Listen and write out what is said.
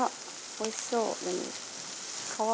おいしそうでも。